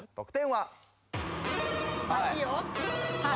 はい。